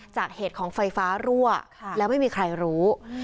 จากเหตุของไฟฟ้ารั่วแล้วไม่มีใครรู้